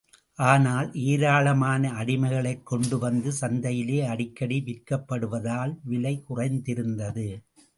ஆனால், ஏராளமான அடிமைகள் கொண்டு வந்து சந்தையிலே அடிக்கடி விற்கப்படுவதால் விலை குறைந்திருந்தது.